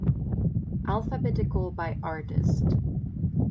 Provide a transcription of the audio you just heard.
Alphabetical by artist.